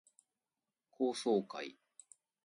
高層階